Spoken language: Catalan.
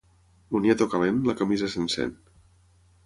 Moniato calent, la camisa se'n sent.